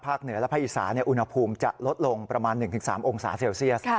เหนือและภาคอีสานอุณหภูมิจะลดลงประมาณ๑๓องศาเซลเซียส